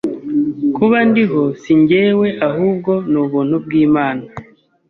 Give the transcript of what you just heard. kuba ndiho si njyewe ahubwo ni ubuntu bw’Imana